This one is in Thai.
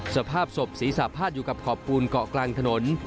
สภาพศพศรีสาภาษณ์อยู่กับขอบคูณเกาะกลางถนน